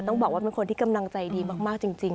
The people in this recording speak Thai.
ต้องบอกว่าเป็นคนที่กำลังใจดีมากจริง